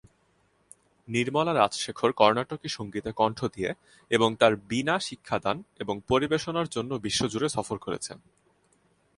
নির্মলা রাজশেখর কর্ণাটকী সংগীতে কণ্ঠ দিয়ে এবং তাঁর বীণা শিক্ষাদান এবং পরিবেশনার জন্য বিশ্বজুড়ে সফর করেছেন।